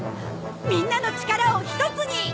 みんなの力をひとつに！